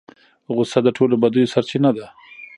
غصه د ټولو بدیو سرچینه ده.